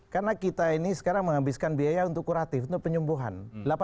karena kita ini sekarang menghabiskan biaya untuk kuratif untuk penyembuhan